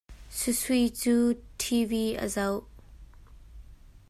SuiSui cu TV a zoh.